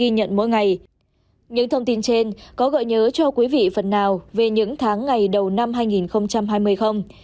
những thông tin trên có gợi nhớ cho quý vị phần nào về những tháng ngày đầu năm hai nghìn hai mươi không